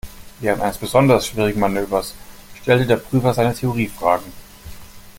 Während eines besonders schwierigen Manövers stellte der Prüfer seine Theorie-Fragen.